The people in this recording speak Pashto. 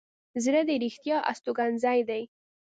زړه د رښتیا استوګنځی دی.